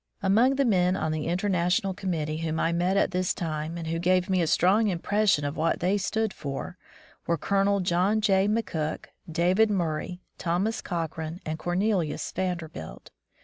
Among the men on the International Com mittee whom I met at this time and who gave me a strong impression of what they stood for, were Colonel John J. McCook, David Murray, Thomas Cochrane, and Cornelius Vanderbilt.